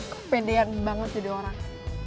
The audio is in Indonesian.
kepedean banget jadi orang